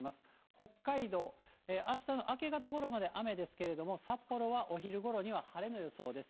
北海道、あしたの明け方ごろまで雨ですけれども、札幌はお昼ごろには晴れの予想です。